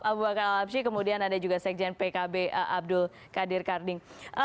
abu bakar al absyi kemudian ada juga sekjen pkb abdul qadir karding